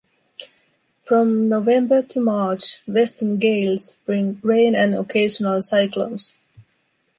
From November to March, western gales bring rain and occasional cyclones.